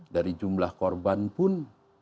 dari jumlah korban pun